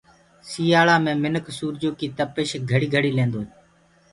سيآݪآ مي منک سورجو ڪي تپش گھڙي گھڙي ليندوئي۔